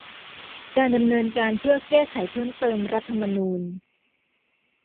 การดำเนินการเพื่อแก้ไขเพิ่มเติมรัฐธรรมนูญ